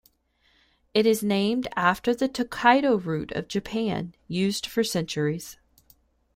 It is named after the Tokaido route of Japan, used for centuries.